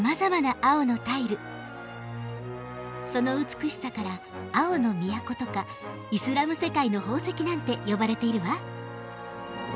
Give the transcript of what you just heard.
その美しさから「青の都」とか「イスラム世界の宝石」なんて呼ばれているわ。